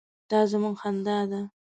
_دا زموږ خندا ده.